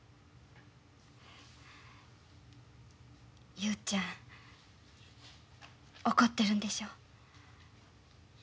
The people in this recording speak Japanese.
雄ちゃん怒ってるんでしょう？